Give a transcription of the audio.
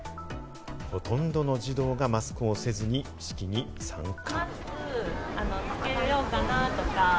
ほとんどの児童がマスクをせずに式に参加。